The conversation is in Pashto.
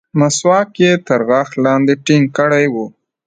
مسواک يې تر غاښ لاندې ټينګ کړى و.